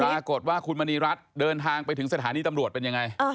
ปรากฏว่าคุณมณีรัฐเดินทางไปถึงสถานีตำรวจเป็นยังไง